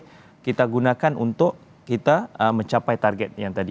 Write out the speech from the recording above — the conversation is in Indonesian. yang kita gunakan untuk kita mencapai target yang tadi